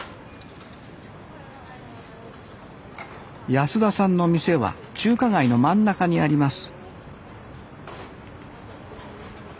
安田さんの店は中華街の真ん中にあります